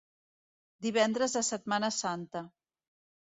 Divendres de Setmana Santa.